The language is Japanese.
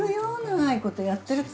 長いことやってると。